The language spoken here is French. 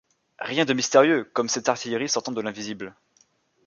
Rien de mystérieux comme cette artillerie sortant de l’invisible.